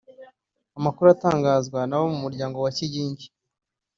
Amakuru atangazwa n’abo mu muryango wa Kigingi